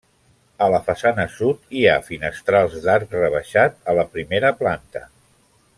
A la façana sud hi ha finestrals d'arc rebaixat a la primera planta.